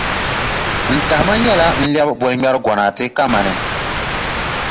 N tahima nyɛla n lɛbi bolŋmɛrʼ gonaate kamani.